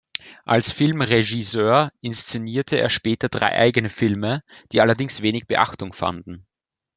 Als Filmregisseur inszenierte er später drei eigene Filme, die allerdings wenig Beachtung fanden.